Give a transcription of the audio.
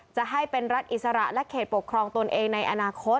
จะให้เป็นรัฐอิสระและเขตปกครองตนเองในอนาคต